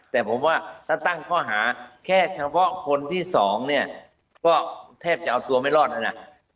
แต่ผมว่าถ้าตั้งข้อหาแค่เฉพาะคนที่สองเนี่ยก็แทบจะเอาตัวไม่รอดแล้วนะ